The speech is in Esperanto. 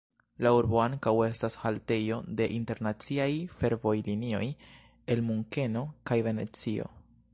La urbo ankaŭ estas haltejo de internaciaj fervojlinioj el Munkeno kaj Venecio.